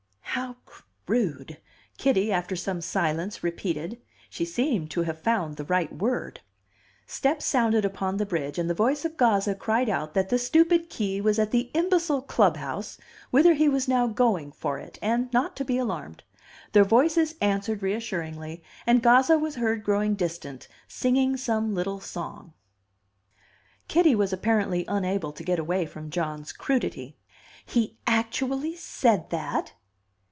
"How crude!" Kitty, after some silence, repeated. She seemed to have found the right word. Steps sounded upon the bridge, and the voice of Gazza cried out that the stupid key was at the imbecile club house, whither he was now going for it, and not to be alarmed. Their voices answered reassuringly, and Gazza was heard growing distant, singing some little song. Kitty was apparently unable to get away from John's crudity. "He actually said that?"